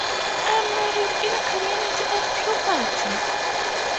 I'm married in community of property.